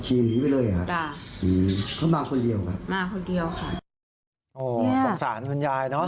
ขับขี่นี้ไปเลยค่ะเขามาคนเดียวค่ะมาคนเดียวค่ะโอ้โฮสงสารคุณยายนะ